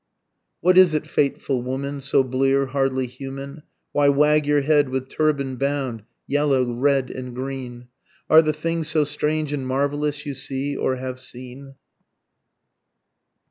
What is it fateful woman, so blear, hardly human? Why wag your head with turban bound, yellow, red and green? Are the things so strange and marvellous you see or have seen?